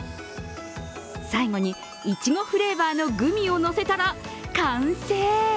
最後に、いちごフレーバーのグミを乗せたら完成。